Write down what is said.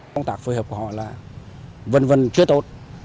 công tác phối hợp của họ là vần vân chưa tốt